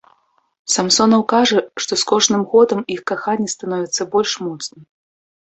Самсонаў кажа, што з кожным годам іх каханне становіцца больш моцным.